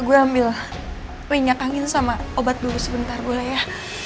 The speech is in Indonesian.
gue ambil minyak angin sama obat dulu sebentar gue ya